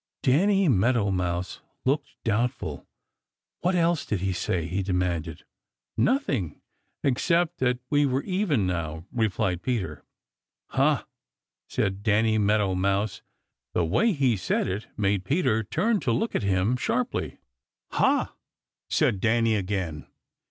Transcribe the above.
Danny Meadow Mouse looked doubtful. "What else did he say?" he demanded. "Nothing, excepting that we were even now," replied Peter. "Ha!" said Danny Meadow Mouse. The way he said it made Peter turn to look at him sharply. "Ha!" said Danny again.